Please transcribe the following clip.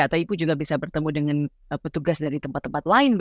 atau ibu juga bisa bertemu dengan petugas dari tempat tempat lain